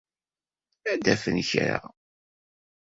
Ad d-afen kra.